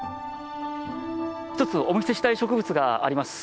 １つお見せしたい植物があります。